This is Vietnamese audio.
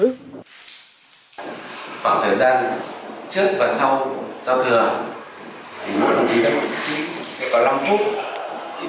khoảng thời gian trước và sau giao thừa tỉnh lào cai sẽ có năm phút